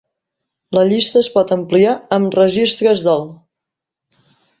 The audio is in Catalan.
"La llista es pot ampliar amb registres del "